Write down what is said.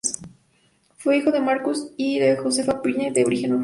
Fue hijo de Markus y de Josefa Preminger, de origen judío.